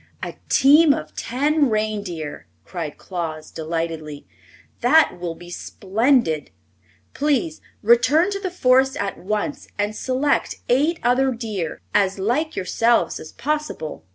"A team of ten reindeer!" cried Claus, delightedly. "That will be splendid. Please return to the Forest at once and select eight other deer as like yourselves as possible.